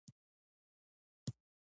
د صنعتي پانګې درې ډولونه عبارت دي